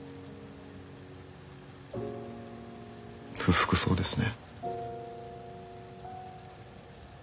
不服そうですね。